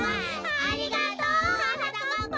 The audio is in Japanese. ありがとうはなかっぱ！